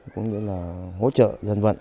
cũng như là hỗ trợ dân vận